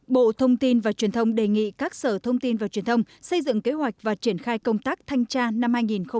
bộ thông tin và truyền thông đề nghị các sở thông tin và truyền thông xây dựng kế hoạch và triển khai công tác thanh tra năm hai nghìn hai mươi